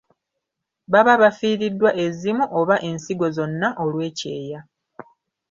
Baba bafiriiddwa ezimu oba ensigo zonna olw’ekyeya.